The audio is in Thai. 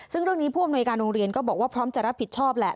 ซึ่งเรื่องนี้ผู้อำนวยการโรงเรียนก็บอกว่าพร้อมจะรับผิดชอบแหละ